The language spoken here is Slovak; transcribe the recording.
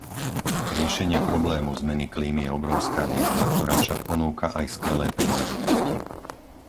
Riešenie problému zmeny klímy je obrovská výzva, ktorá však ponúka aj skvelé príležitosti.